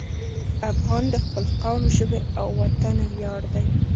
افغان د خپل قوم، ژبې او وطن ویاړ دی.